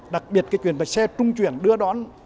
đặc biệt cái chuyện về xe trung chuyển đưa đón